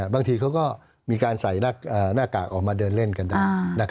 บางทีเขาก็มีการใส่หน้ากากออกมาเดินเล่นกันได้